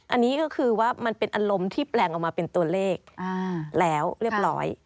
อันนี้ก็คือว่ามันเป็นอารมณ์ที่แปลงออกมาเป็นตัวเลขแล้วเรียบร้อย